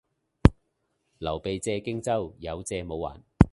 劉備借荊州，有借冇還